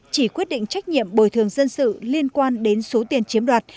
chỉ quyết định trách nhiệm bồi thường dân sự liên quan đến số tiền chiếm đoạt